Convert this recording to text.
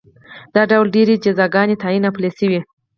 دا ډول ډېرې جزاګانې تعین او پلې شوې